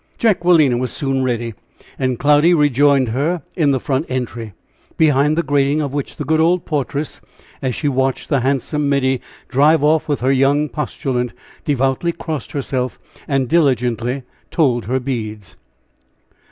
Jacquelina was soon ready, and Cloudy rejoined her in the front entry, behind the grating of which the good old portress, as she watched the handsome middy drive off with her young postulant, devoutly crossed herself, and diligently told her beads.